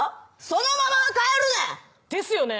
そのままは帰るな。ですよね。